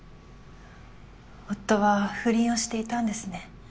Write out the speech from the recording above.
夫は不倫をしていたんですね